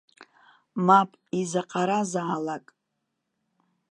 Мап, изаҟаразаалак.